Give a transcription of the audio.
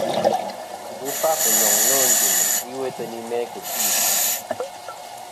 Ghɨ fàf ɨnyoŋ nô ɨnjɨm iwo ateyni mæ kɨ tî.